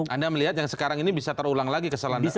anda melihat yang sekarang ini bisa terulang lagi kesalahan kesalahan